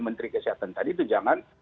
menteri kesehatan tadi itu jangan